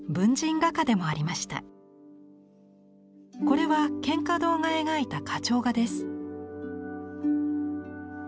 これは蒹葭堂が描いた花鳥画です。